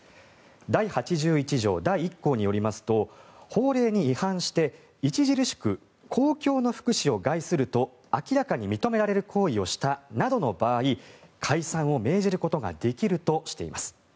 第８１条第１項によりますと法令に違反して著しく公共の福祉を害すると明らかに認められる行為をしたなどの場合解散を命じることができるとしています。